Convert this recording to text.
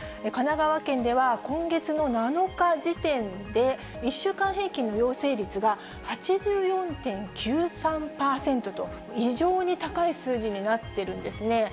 神奈川県では今月の７日時点で、１週間平均の陽性率が８４．９３％と、異常に高い数字になっているんですね。